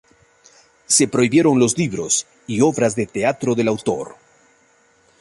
Se prohibieron los libros y obras de teatro del autor.